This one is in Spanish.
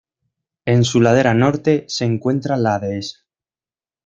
En su ladera norte se encuentra La Dehesa.